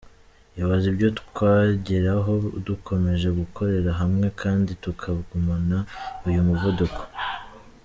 Ibaze ibyo twageraho dukomeje gukorera hamwe, kandi tukagumana uyu muvuduko.